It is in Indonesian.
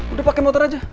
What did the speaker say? udah pakai motor aja